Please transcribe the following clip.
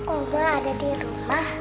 omah ada di rumah